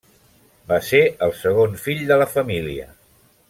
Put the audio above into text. Va ser el segon fill de la família.